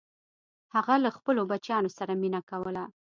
هغه له خپلو بچیانو سره مینه کوله.